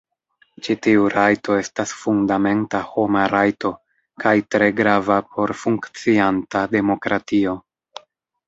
Ĉi tiu rajto estas fundamenta homa rajto kaj tre grava por funkcianta demokratio.